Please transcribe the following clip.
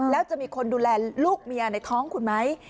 แล้วจะมีคนดูแลลูกเมียในท้องคุณไหม